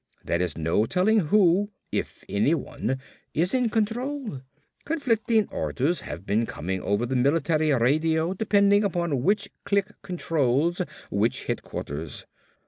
There is no telling who, if anyone, is in control. Conflicting orders have been coming over the military radio depending upon which clique controls which headquarters.